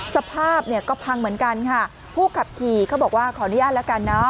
สภาพเนี่ยก็พังเหมือนกันค่ะผู้ขับขี่เขาบอกว่าขออนุญาตแล้วกันเนอะ